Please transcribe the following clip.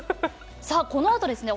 さあこのあとですね